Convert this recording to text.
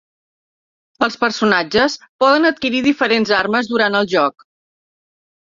Els personatges poden adquirir diferents armes durant el joc.